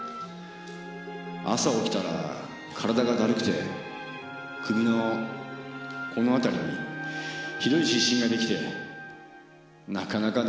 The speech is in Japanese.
朝起きたら体がだるくて首のこの辺りにひどい湿疹ができてなかなか治らなくて。